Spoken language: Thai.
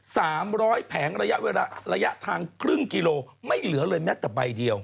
สามร้อยแผงระยะทางครึ่งกิโลไม่เหลือเลยแม็กซ์กับใบเดียว